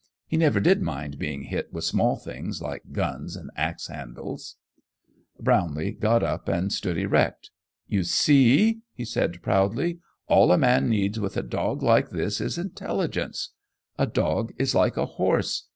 He never did mind being hit with small things like guns and ax handles. Brownlee got up and stood erect. "You see!" he said proudly. "All a man needs with a dog like this is intelligence. A dog is like a horse.